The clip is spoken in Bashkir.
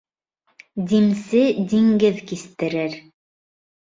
Димсе диңгеҙ кистерер.